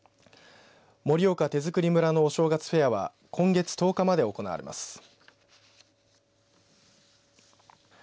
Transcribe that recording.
盛岡手づくり村のお正月フェアは今月１０日まで行われます。